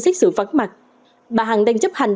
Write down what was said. xét xử vắng mặt bà hằng đang chấp hành